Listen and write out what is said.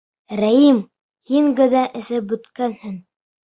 Рәим, һин генә эсеп бөткәнһең!..